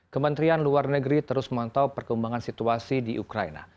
kementerian luar negeri terus memantau perkembangan situasi di ukraina